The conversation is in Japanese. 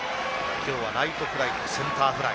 今日はライトフライとセンターフライ。